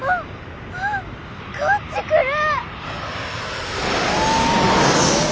わあこっち来る！